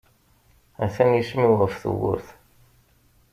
Atan yisem-iw ɣef tewwurt.